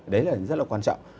đấy là rất là quan trọng